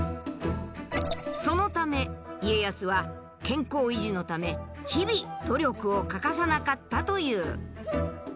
そのため家康は健康維持のため日々努力を欠かさなかったという。